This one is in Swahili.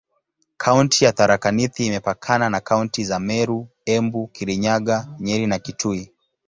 Kaunti ya Tharaka Nithi imepakana na kaunti za Meru, Embu, Kirinyaga, Nyeri na Kitui.